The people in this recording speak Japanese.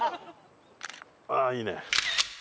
ああいいね。